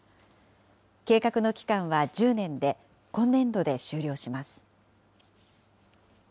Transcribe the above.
計画の期間は１０年で、今年度で終了します。